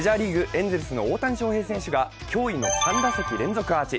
エンゼルスの大谷翔平選手が驚異の３打席連続アーチ。